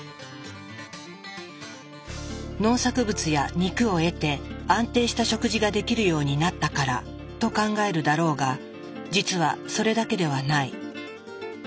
農作物や肉を得て安定した食事ができるようになったからと考えるだろうが実はそれだけではない。